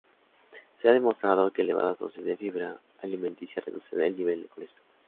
Se ha demostrado que elevadas dosis de fibra alimenticia reducen el nivel de colesterol.